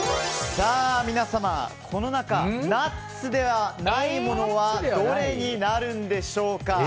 皆様、この中でナッツではないものはどれになるんでしょうか。